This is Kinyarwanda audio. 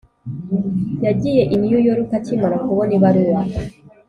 yagiye i new york akimara kubona ibaruwa.